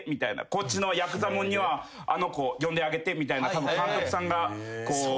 「こっちのヤクザモンにはあの子呼んであげて」みたいなたぶん監督さんがこう。